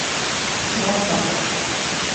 ڕاکە!